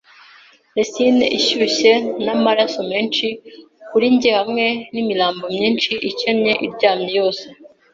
resin ishyushye, namaraso menshi kuri njye hamwe nimirambo myinshi ikennye iryamye yose